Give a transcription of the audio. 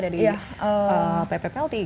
dari pp pelti